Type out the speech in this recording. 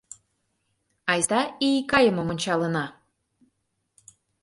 — Айста ий кайымым ончалына.